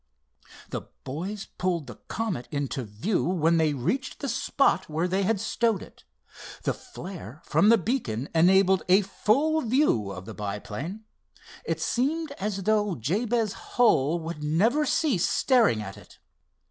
The boys pulled the Comet into view when they reached the spot where they had stowed it. The flare from the beacon enabled a full view of the biplane. It seemed as though Jabez Hull would never cease staring at it.